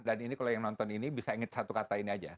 dan ini kalau yang nonton ini bisa inget satu hal